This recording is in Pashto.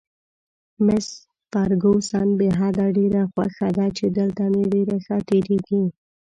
مس فرګوسن: بې حده، ډېره خوښه ده چې دلته مې ډېر ښه تېرېږي.